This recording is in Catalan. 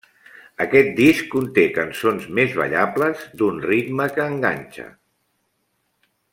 Aquest disc conté cançons més ballables, d'un ritme que enganxa.